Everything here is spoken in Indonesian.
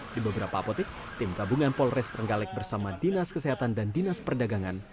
di beberapa apotek tim gabungan polres trenggalek bersama dinas kesehatan dan dinas perdagangan